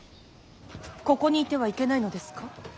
ここにいてはいけないのですか。